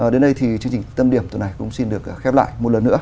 đến đây thì chương trình tâm điểm tuần này cũng xin được khép lại một lần nữa